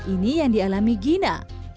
ini yang dialami gina